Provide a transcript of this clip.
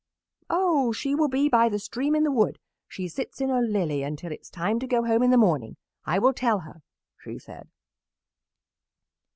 "'Oh! She will be by the stream in the wood. She sits in a lily until it is time to go home in the morning. I will tell her,' she said."